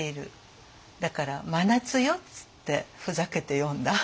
だから真夏よっつってふざけて詠んだ。